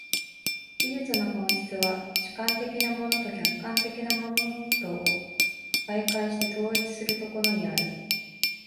技術の本質は主観的なものと客観的なものとを媒介して統一するところにある。